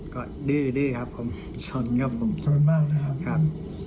ก็ดื้อครับผมสนครับผมสนมากนะครับครับ